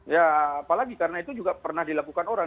ya apalagi karena itu juga pernah dilakukan orang